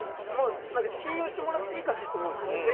信用してもらっていいかなと思うんですよね。